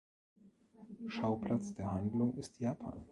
Schauplatz der Handlung ist Japan.